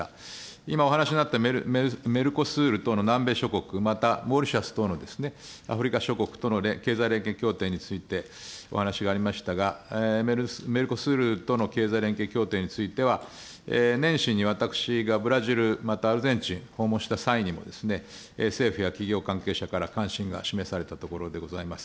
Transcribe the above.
今お話にあったメルコスール等の南米諸国、またモーリシャス島のアフリカ諸国との経済連携協定について、お話がありましたが、メルコスールとうの経済連携協定については、年始に私がブラジル、またアルゼンチンを訪問した際にも政府や企業関係者から関心が示されたところでございます。